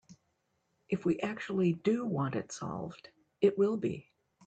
If we actually do want it solved, it will be.